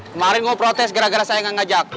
kemarin kamu protes gara gara saya nggak ngajak